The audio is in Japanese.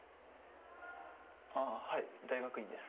あぁはい大学院です。